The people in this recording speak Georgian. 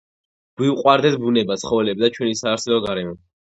გვიუვარდეს ბუნება, ცხოველები, და ჩვენი საარსებო გარემო